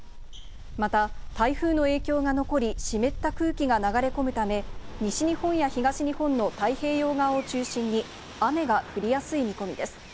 また、台風の影響が残り、湿った空気が流れ込むため、西日本や東日本の太平洋側を中心に雨が降りやすい見込みです。